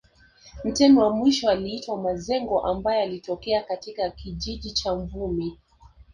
Mtemi wa mwisho aliitwa Mazengo ambaye alitokea katika kijiji cha Mvumi